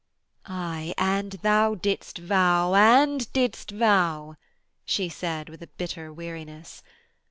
'Ay thou didst vow and didst vow,' she said with a bitter weariness.